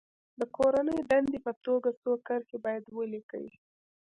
د کورنۍ دندې په توګه څو کرښې باید ولیکي.